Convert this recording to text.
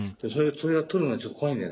それが取るのちょっと怖いんだよな。